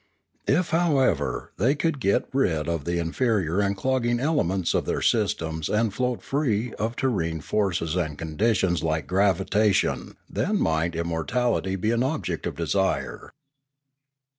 If, however, they could get rid of the inferior and clogging elements of their systems and float free of terrene forces and conditions like gravita tion, then might immortality be an object of desire.